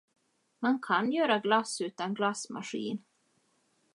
Man kan göra glass utan glassmaskin.